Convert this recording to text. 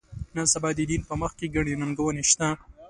نن سبا د دین په مخ کې ګڼې ننګونې شته.